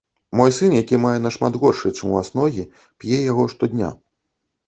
Мой сын, які мае нашмат горшыя чым у вас ногі, п'е яго штодня.